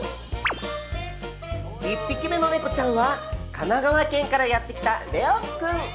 １匹目のネコちゃんは神奈川からやってきたレオ君。